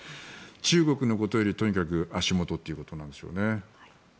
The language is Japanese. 中国のことよりとにかく足元ということなんでしょうね。